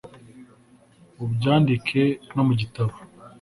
ubyandike no mu gitabo